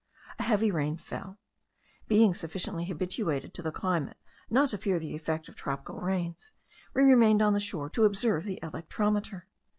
A heavy rain fell. Being sufficiently habituated to the climate not to fear the effect of tropical rains, we remained on the shore to observe the electrometer.